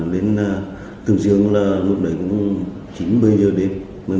đến tương dương lúc đấy cũng chín mươi giờ đêm